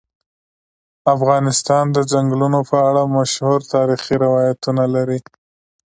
افغانستان د چنګلونه په اړه مشهور تاریخی روایتونه لري.